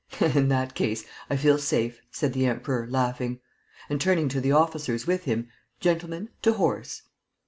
"In that case, I feel safe," said the Emperor, laughing. And, turning to the officers with him, "Gentlemen, to horse!"